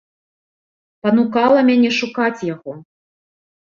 Панукала мяне шукаць яго.